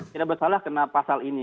tidak bersalah kena pasal ini